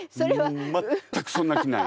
全くそんな気ない！